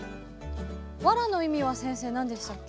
ワラの意味は先生何でしたっけ？